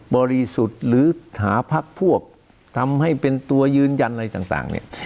บริสุทธิ์หรือหาพักพวกทำให้เป็นตัวยืนยันอะไรต่างเนี่ย